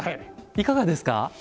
いかがですか？